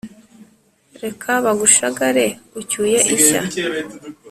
reka bagushagare ucyuye ishya.